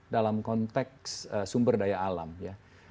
dalam konteks sumber daya alam ya